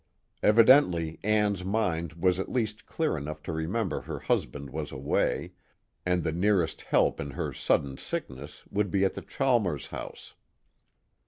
Evidently Ann's mind was at least clear enough to remember her husband was away, and the nearest help in her sudden sickness would be at the Chalmers house.